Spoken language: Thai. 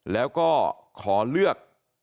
แล้วก็ขอเลือก